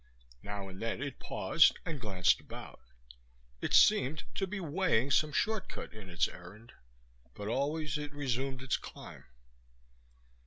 Now and then it paused and glanced about. It seemed to be weighing some shortcut in its errand; but always it resumed its climb.